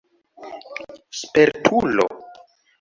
spertulo